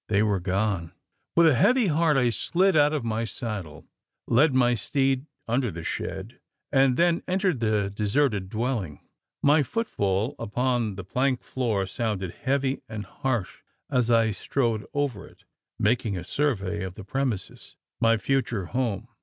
They were gone. With a heavy heart, I slid out of my saddle; led my steed under the shed; and then entered the deserted dwelling. My footfall upon the plank floor sounded heavy and harsh, as I strode over it, making a survey of the "premises" my future home.